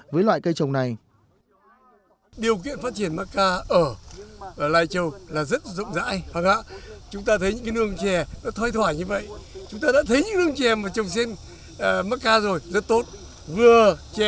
với loại cây trồng này cây macca có thể được trồng thùn hoặc trồng sen với cây chè